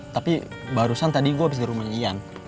tapi barusan tadi gue abis ke rumahnya ian